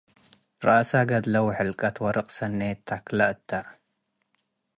ረአሰ ገድለ ወሕልቀት ወርቅ ሰኔት ተክለ እተ ።